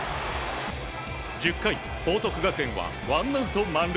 １０回、報徳学園はワンアウト満塁